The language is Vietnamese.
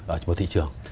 ở một thị trường